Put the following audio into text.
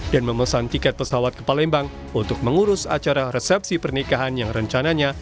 dan memesan tiket pesawat ke palembang untuk mengurus acara resepsi pernikahan yang rencananya